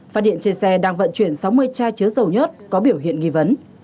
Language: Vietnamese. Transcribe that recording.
phát hiện trên xe đang vận chuyển sáu mươi chai chứa dầu nhất có biểu hiện nghi vấn